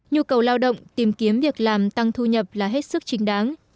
nhu cầu lao động tìm kiếm việc làm tăng thu nhập là hết sức chính đáng